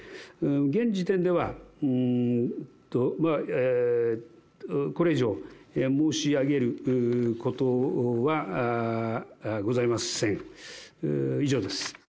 現時点では、これ以上申し上げることはございません。